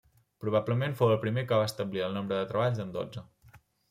Probablement fou el primer que va establir el nombre de treballs en dotze.